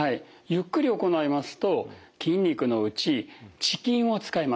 ゆっくり行いますと筋肉のうち遅筋を使います。